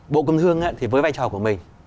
bộ công thương với vai trò của mình